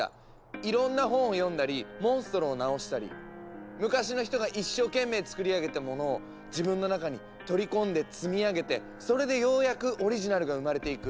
いろんな本を読んだりモンストロを治したり昔の人が一生懸命つくりあげたものを自分の中に取り込んで積み上げてそれでようやくオリジナルが生まれていく。